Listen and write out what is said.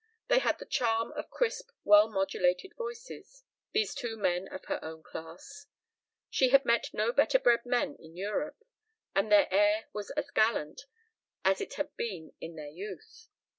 They had the charm of crisp well modulated voices, these two men of her own class; she had met no better bred men in Europe; and their air was as gallant as it had been in their youth.